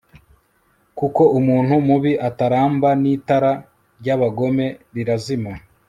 kuko umuntu mubi ataramba n'itara ry'abagome rirazima